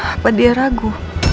apa dia ragu